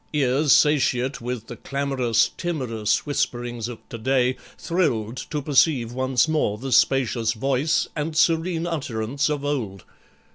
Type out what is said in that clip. Ears satiate With the clamorous, timorous whisperings of to day, Thrilled to perceive once more the spacious voice And serene utterance of old.